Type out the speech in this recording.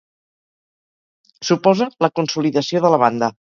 Suposa la consolidació de la banda.